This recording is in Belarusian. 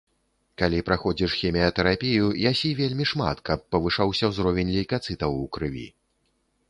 Калі праходзіш хіміятэрапію, ясі вельмі шмат, каб павышаўся ўзровень лейкацытаў у крыві.